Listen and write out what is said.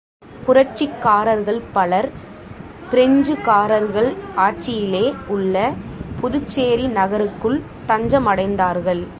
புரட்சிக்காரர்கள் பலர் பிரெஞ்சுகாரர்கள் ஆட்சியிலே உள்ள புதுச்சேரி நகருக்குள் தஞ்சமடைந்தார்கள்.